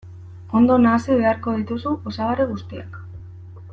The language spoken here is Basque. Ondo nahasi beharko dituzu osagarri guztiak.